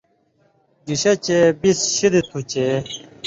گِشے چے بِس شِدیۡ تھُو چے